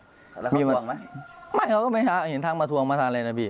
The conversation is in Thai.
แล้วเขาตวงมั้ยไม่เขาก็ไม่ท้าเห็นทางมาทวงมาทานเลยนะพี่